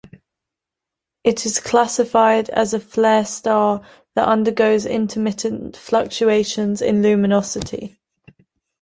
It is classified as a flare star that undergoes intermittent fluctuations in luminosity.